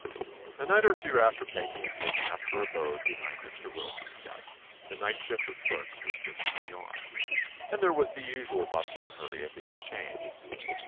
A night or two after Peggy had taken up her abode behind Mr. Wil son's desk, the night shift of clerks 26 TOMMY POSTOFFICE was just coming on, and there was the usual bustle and hurry of the ex change.